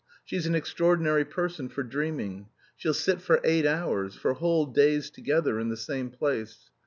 She's an extraordinary person for dreaming; she'll sit for eight hours, for whole days together in the same place.